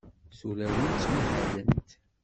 Tulawin ttmahalent.